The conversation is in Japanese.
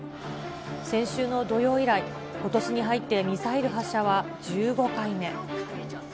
先週の土曜以来、ことしに入ってミサイル発射は１５回目。